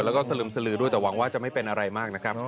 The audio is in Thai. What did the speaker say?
แล้วก็สลึมสลือด้วยแต่หวังว่าจะไม่เป็นอะไรมากนะครับ